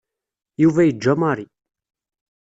Yuba yeǧǧa Mary.